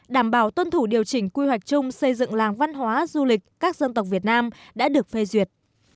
đảm bảo tuân thủ điều chỉnh quy hoạch chung xây dựng làng văn hóa du lịch các dân tộc việt nam đã được phê duyệt